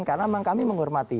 karena memang kami menghormati